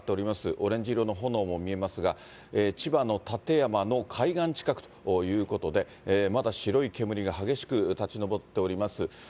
オレンジ色の炎も見えますが、千葉の館山の海岸近くということで、まだ白い煙が激しく立ち上っております。